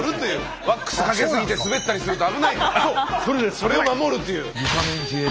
それを守るという。